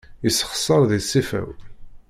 Yessexṣar di ṣṣifa-w.